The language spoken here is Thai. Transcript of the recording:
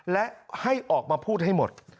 และให้ออกมาพูดให้หมด